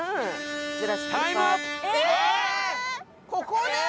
ここで？